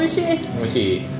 おいしい？